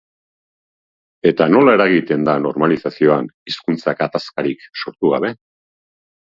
Eta nola eragiten da normalizazioan hizkuntza gatazkarik sortu gabe?